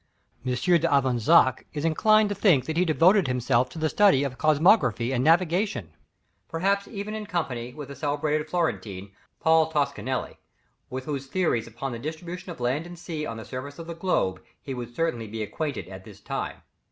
M. d'Avezac is inclined to think that he devoted himself to the study of cosmography and navigation, perhaps even in company with the celebrated Florentine, Paul Toscanelli, with whose theories upon the distribution of land and sea on the surface of the globe, he would certainly be acquainted at this time.